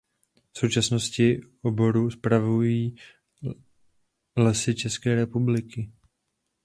V současnosti oboru spravují Lesy České republiky.